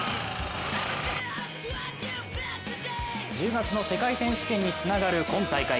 １０月の世界選手権につながる今大会。